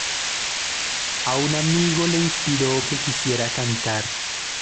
A un amigo le inspiró que quisiera cantar.